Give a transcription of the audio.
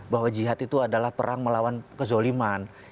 bahwa jihad itu adalah perang melawan kezoliman